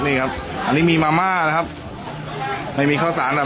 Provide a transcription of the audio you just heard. นี่ครับอันนี้มีมาม่านะครับไม่มีข้าวสารนะครับ